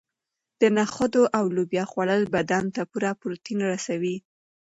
د نخودو او لوبیا خوړل بدن ته پوره پروټین رسوي.